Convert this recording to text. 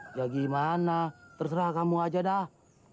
ya gimana terserah kamu aja dah